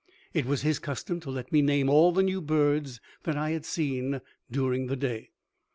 It was his custom to let me name all the new birds that I had seen during the day.